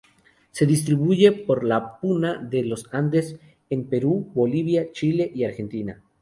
Se distribuye por la Puna de los Andes, en Perú, Bolivia, Chile y Argentina.